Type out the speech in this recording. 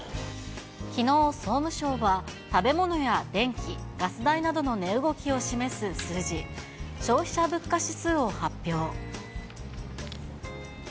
きのう、総務省は食べ物や電気、ガス代などの値動きを示す数字、消費者物価指数を発表。